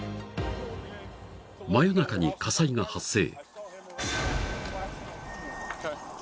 ［真夜中に火災が発生］